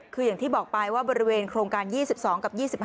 คืออย่างที่บอกไปว่าบริเวณโครงการ๒๒กับ๒๕